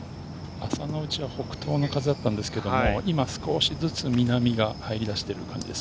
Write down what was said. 朝のうちは北東の風だったんですが、少しずつ南が入りだしている感じです。